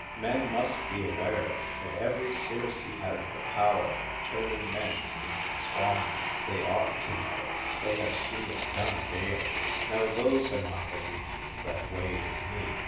Men must be aware that every Circe has the power of turning men into swine. They ought to know; they have seen it done daily. No, those are not the reasons that weigh with me.